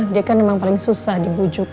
dia kan memang paling susah dibujuk